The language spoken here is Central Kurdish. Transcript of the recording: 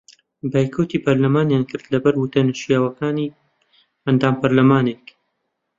بایکۆتی پەرلەمانیان کرد لەبەر وتە نەشیاوەکانی ئەندام پەرلەمانێک